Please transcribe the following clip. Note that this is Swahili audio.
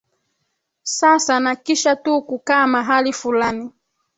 sasa na kisha tu kukaa mahali fulani